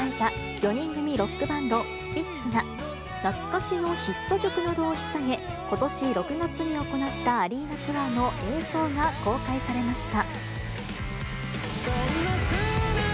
４人組ロックバンド、スピッツが懐かしのヒット曲などを引っ提げ、ことし６月に行ったアリーナツアーの映像が公開されました。